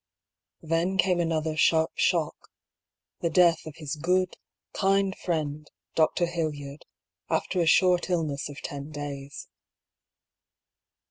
Then came another sharp, shock — ^the death of his good, kind friend. Dr. Hildyard, after a short illness of ten days.